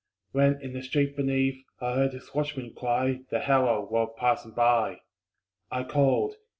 When in the street beneath I heard his watchman cry The hour, while passing by. I called.